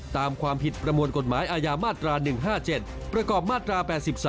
ตามความผิดประมวลกฎหมายอาญามาตรา๑๕๗ประกอบมาตรา๘๓